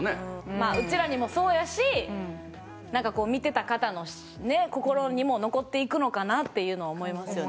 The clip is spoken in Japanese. まあうちらにもそうやしなんかこう見てた方の心にも残っていくのかなっていうのは思いますよね。